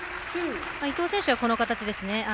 伊藤選手はこの形ですね。